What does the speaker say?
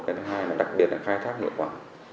cái thứ hai là đặc biệt là khai thác hiệu quả